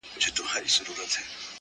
وارخطا ژبه یې وچه سوه په خوله کي!.